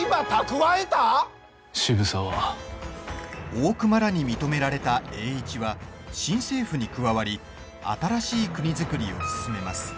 大隈らに認められた栄一は新政府に加わり新しい国造りを進めます。